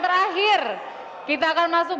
terakhir kita akan masuk